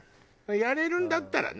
やれるんだったらね。